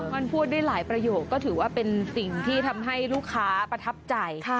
มันพูดได้หลายประโยคก็ถือว่าเป็นสิ่งที่ทำให้ลูกค้าประทับใจ